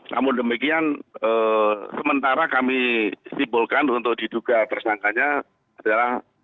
namun demikian sementara kami simpulkan untuk diduga tersangkanya adalah